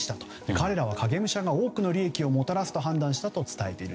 彼らは影武者が多くの利益をもたらすと判断したと伝えている。